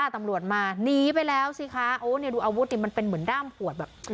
ตำรวจมาหนีไปแล้วสิคะโอ้เนี่ยดูอาวุธดิมันเป็นเหมือนด้ามขวดแบบ